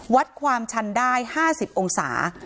วัดความชันได้๕๐องศา